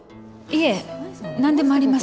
いえ何でもありません。